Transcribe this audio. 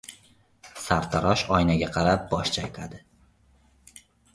Sartarosh oynaga qarab bosh chayqadi.